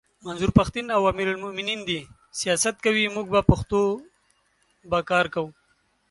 منظور پښتین او امیر المومنین دي سیاست کوي موږ به پښتو به کار کوو!